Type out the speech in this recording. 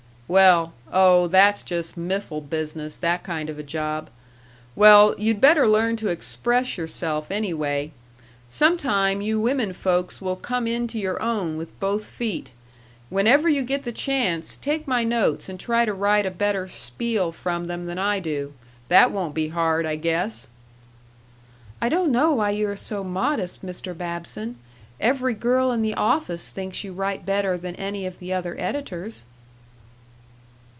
"Well oh, that's just miffle business, that kind of a job. Well, you'd better learn to express yourself, anyway. Some time you women folks will come into your own with both feet. Whenever you get the chance, take my notes and try to write a better spiel from them than I do.... That won't be hard, I guess!" "I don't know why you are so modest, Mr. Babson. Every girl in the office thinks you write better than any of the other editors."